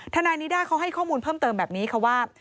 ทนายนิด้าเขาให้ข้อมูลเพิ่มเติมแบบนี้ค่ะว่า